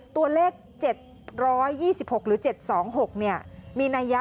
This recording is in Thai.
ตัวเลข๗๒๖หรือ๗๒๖นี่